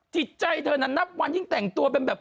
จิตใจเธอนั้นนับวันยิ่งแต่งตัวเป็นแบบ